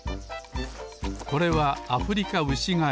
これはアフリカウシガエル。